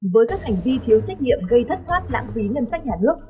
với các hành vi thiếu trách nhiệm gây thất thoát lãng phí ngân sách nhà nước